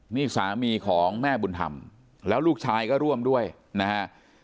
นี่สามีของแม่บุญธรรมแล้วลูกชายก็ร่วมด้วยนะฮะ